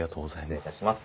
失礼いたします。